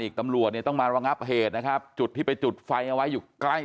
ตำรวจเนี่ยต้องมาระงับเหตุนะครับจุดที่ไปจุดไฟเอาไว้อยู่ใกล้